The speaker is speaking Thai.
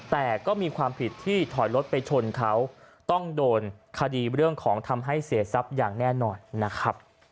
แต่ก็มีความผิดที่ถอยรถไปชนเขาต้องโดนคดีเรื่องของทำให้เสียทรัพย์อย่างแน่นอนนะครับ